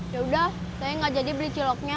yaudah saya nggak jadi beli ciloknya